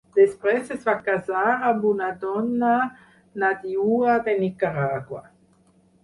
Després es va casar amb una dona nadiua de Nicaragua.